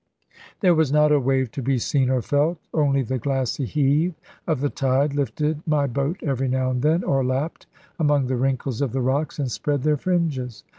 There was not a wave to be seen or felt, only the glassy heave of the tide lifted my boat every now and then, or lapped among the wrinkles of the rocks, and spread their fringes.